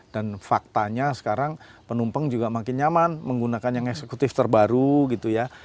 dan faktanya sekarang penumpang juga makin nyaman menggunakan yang eksekutif terbaru gitu ya